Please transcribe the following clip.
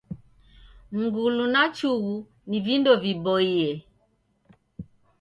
Mngulu na chughu ni vindo viboie.